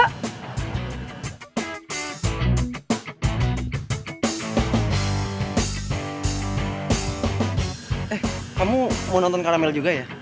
eh kamu mau nonton karamel juga ya